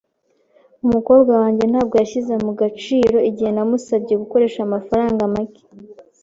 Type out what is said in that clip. Umukobwa wanjye ntabwo yashyize mu gaciro igihe namusabye gukoresha amafaranga make.